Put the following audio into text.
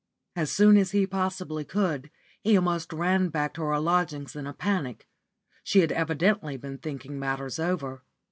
As soon as he possibly could, he almost ran back to her lodgings in a panic. She had evidently been thinking matters over.